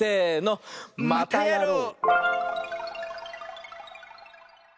またやろう！